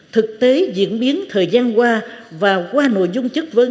thực tế diễn biến thời gian qua và qua nội dung chất vấn